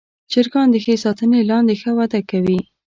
چرګان د ښه ساتنې لاندې ښه وده کوي.